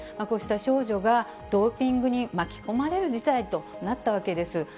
こうした少女がドーピングに巻き込まれる事態となったわけです。